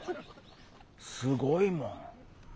すごいもん。